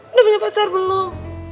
udah punya pacar belum